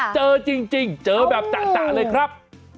เจอจริงเจอแบบจะเลยครับ